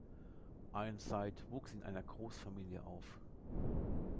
Ironside wuchs in einer Großfamilie auf.